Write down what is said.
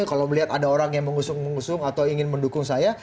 kalau melihat ada orang yang mengusung mengusung atau ingin mendukung saya